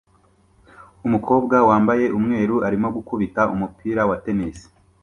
Umukobwa wambaye umweru arimo gukubita umupira wa tennis